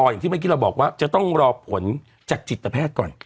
อย่างที่เมื่อกี้เราบอกว่าจะต้องรอผลจากจิตแพทย์ก่อน